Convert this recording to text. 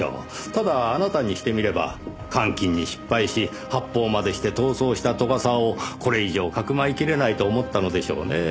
ただあなたにしてみれば換金に失敗し発砲までして逃走した斗ヶ沢をこれ以上かくまいきれないと思ったのでしょうねぇ。